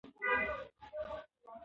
ځکه زموږ تاريخ باندې زموږ هويت ټړل شوى.